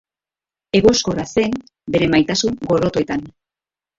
Egoskorra zen bere maitasun-gorrotoetan.